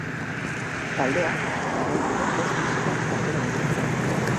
Taldeak dagoeneko bost disko atera ditu.